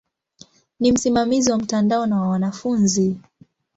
Ni msimamizi wa mtandao na wa wanafunzi.